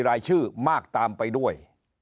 รายชื่อมากตามไปด้วย